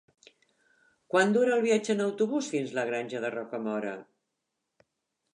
Quant dura el viatge en autobús fins a la Granja de Rocamora?